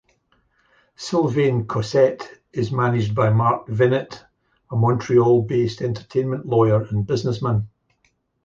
Sylvain Cossette is managed by Mark Vinet, a Montreal based entertainment lawyer and businessman.